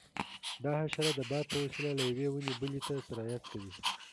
دا حشره د باد په وسیله له یوې ونې بلې ته سرایت کوي.